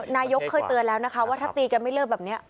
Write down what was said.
นายกเคยเตือนแล้วนะคะว่าถ้าตีกันไม่เลิกแบบนี้